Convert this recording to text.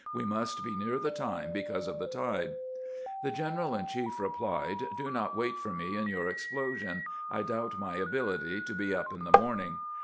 "We must be near the time because of the tide." The general in chief replied :" Do not wait for me in your explosion. I doubt my ability to be up in the morning."